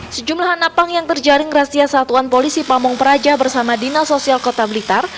sejumlah anak pang yang terjaring razia satuan polisi pamung praja bersama dinas sosial kota blitar